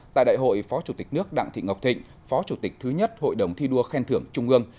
tại đại hội phó chủ tịch nước đặng thị ngọc thịnh phó chủ tịch thứ nhất hội đồng thi đua khen thưởng trung ương